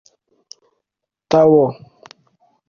Taboo